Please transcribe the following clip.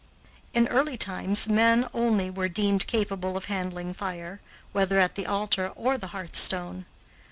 In early times men, only, were deemed capable of handling fire, whether at the altar or the hearthstone.